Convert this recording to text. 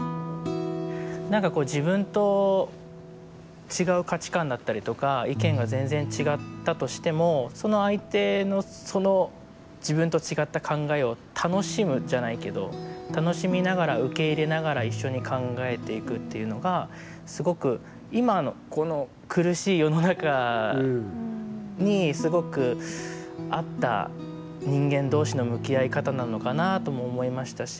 なんかこう自分と違う価値観だったりとか意見が全然違ったとしてもその相手のその自分と違った考えを楽しむじゃないけど楽しみながら、受け入れながら一緒に考えていくっていうのがすごく今の、この苦しい世の中にすごく合った人間同士の向き合い方なのかなと思いましたし。